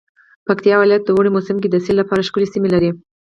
پکتيا ولايت د اوړی موسم کی د سیل لپاره ښکلی سیمې لری